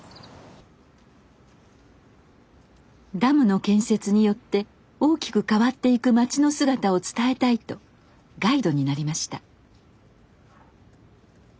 ダムの建設によって大きく変わっていく町の姿を伝えたいとガイドになりました。